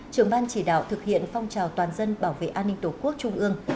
trưởng ban chỉ đạo thực hiện phong trào toàn dân bảo vệ an ninh tổ quốc trung ương